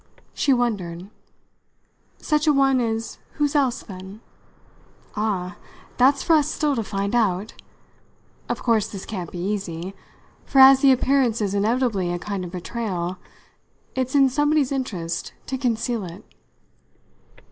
She wondered. "Such a one as whose else then?" "Ah, that's for us still to find out! Of course this can't be easy; for as the appearance is inevitably a kind of betrayal, it's in somebody's interest to conceal it."